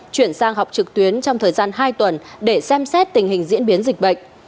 chuyển sang học trực tuyến trong thời gian hai tuần để xem xét tình hình diễn biến dịch bệnh